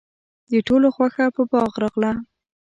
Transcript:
د ټولو خوښه په باغ راغله.